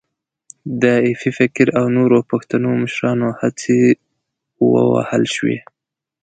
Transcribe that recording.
د ایپي فقیر او نورو پښتنو مشرانو هڅې ووهل شوې.